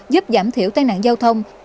giúp giảm thiểu tai nạn giao thông